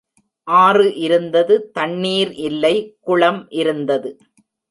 ஆறு இருந்தது தண்ணீர் இல்லை, குளம் இருந்தது.